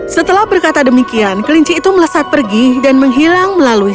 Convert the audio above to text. setelah berkata demikian kelinci itu melesat pergi dan menghilang melalui